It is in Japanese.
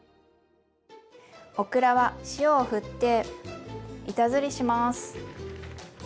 オクラは塩をふって板ずりします。